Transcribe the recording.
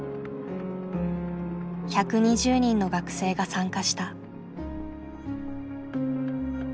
１２０人の学生が参加した。